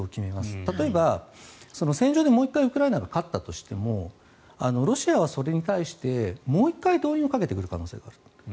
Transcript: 例えば戦場でもう１回ウクライナが勝ったとしてもロシアはそれに対してもう１回動員をかけてくる可能性がある。